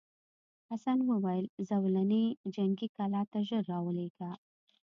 حسن وویل زولنې جنګي کلا ته ژر راولېږه.